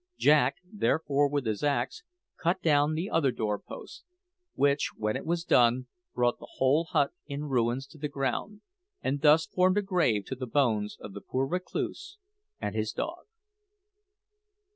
Jack, therefore, with his axe, cut down the other door post, which, when it was done, brought the whole hut in ruins to the ground, and thus formed a grave to the bones of the poor recluse and his dog.